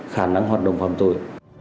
khả năng hoạt động phạm tội